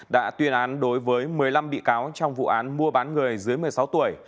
đã tuyên án đối với một mươi năm bị cáo trong vụ án mua bán người dưới một mươi sáu tuổi